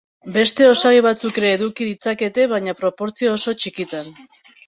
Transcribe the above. Beste osagai batzuk ere eduki ditzakete baina proportzio oso txikitan.